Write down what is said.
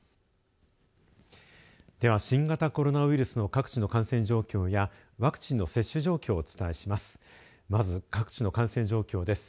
では、新型コロナウイルスの各地の感染状況やワクチンの接種状況をお伝えします。